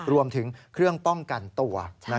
รวมถึงเครื่องป้องกันตัว